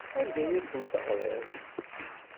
Anda ay asent-teɣriḍ?